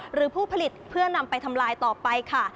หรือผู้ผลิตเพื่อนำไปทำลายต่อไปค่ะ